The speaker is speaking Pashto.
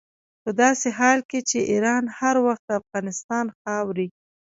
په داسې حال کې چې ایران هر وخت د افغانستان خاورې.